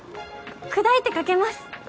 砕いてかけます！